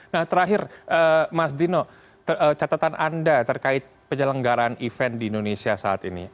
nah terakhir mas dino catatan anda terkait penyelenggaran event di indonesia saat ini